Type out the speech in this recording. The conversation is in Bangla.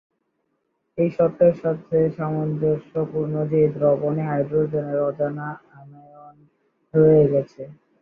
এই সত্যের সাথে সামঞ্জস্যপূর্ণ যে দ্রবণে হাইড্রোজেনের অজানা অ্যানায়ন রয়ে গেছে।